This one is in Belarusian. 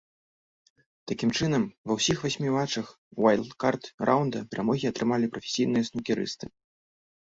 Такім чынам, ва ўсіх васьмі матчах уайлдкард раўнда перамогі атрымалі прафесійныя снукерысты.